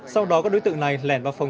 sau đó các đối tượng này lẻn vào phòng